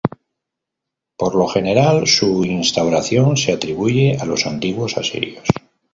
Por lo general, su instauración se atribuye a los antiguos asirios.